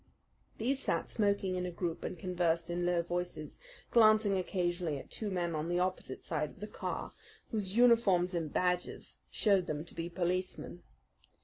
These sat smoking in a group and conversed in low voices, glancing occasionally at two men on the opposite side of the car, whose uniforms and badges showed them to be policemen.